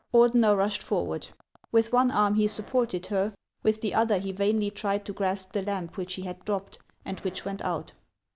Ordener rushed forward. With one arm he supported her, with the other he vainly tried to grasp the lamp which she had dropped, and which went out.